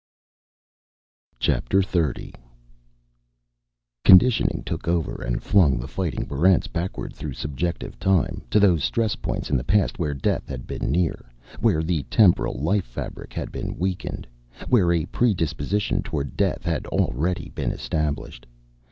Chapter Thirty Conditioning took over and flung the fighting Barrents backward through subjective time, to those stress points in the past where death had been near, where the temporal life fabric had been weakened, where a predisposition toward death had already been established.